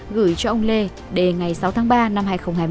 gửi cho ông lê để ngày sáu tháng ba năm hai nghìn hai mươi